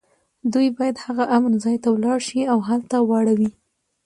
دوی باید هغه امن ځای ته ولاړ شي او هلته واړوي